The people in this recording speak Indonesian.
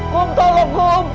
kum tolong kum